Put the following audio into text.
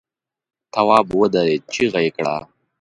تواب ودرېد، چيغه يې کړه!